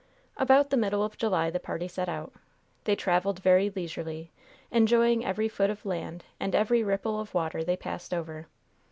About the middle of July the party set out. They traveled very leisurely, enjoying every foot of land and every ripple of water they passed over.